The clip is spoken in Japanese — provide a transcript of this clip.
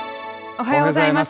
おはようございます。